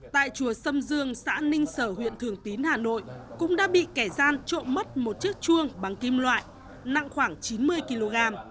tại chùa sâm dương xã ninh sở huyện thường tín hà nội cũng đã bị kẻ gian trộm mất một chiếc chuông bằng kim loại nặng khoảng chín mươi kg